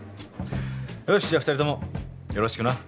よしじゃあ２人共よろしくな。